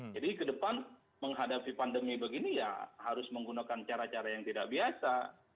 jadi ke depan menghadapi pandemi begini ya harus menggunakan cara cara yang tidak biasa